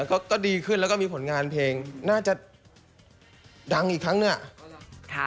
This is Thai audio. ก็ดีขึ้นแล้วก็มีผลงานเพลงน่าจะดังอีกครั้งเนี่ย